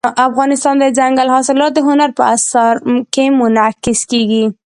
افغانستان کې دځنګل حاصلات د هنر په اثار کې منعکس کېږي.